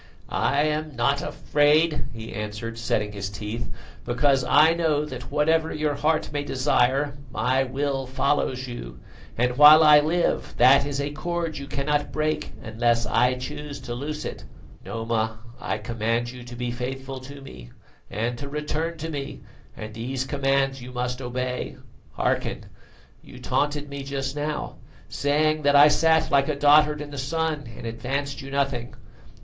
"I am not afraid," he answered, setting his teeth, "because I know that whatever your heart may desire, my will follows you, and while I live that is a cord you cannot break unless I choose to loose it, Noma. I command you to be faithful to me and to return to me, and these commands you must obey. Hearken: you taunted me just now, saying that I sat like a dotard in the sun and advanced you nothing.